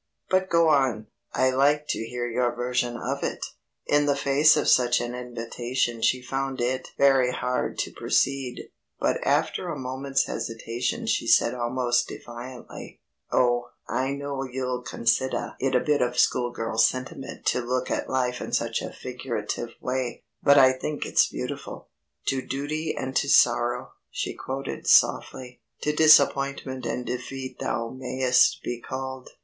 But go on, I'd like to hear your version of it." In the face of such an invitation she found it very hard to proceed, but after a moment's hesitation she said almost defiantly: "Oh, I know you'll considah it a bit of school girl sentiment to look at life in such a figurative way, but I think it's beautiful: "'To duty and to sorrow,'" she quoted softly, "'_to disappointment and defeat thou mayst be called.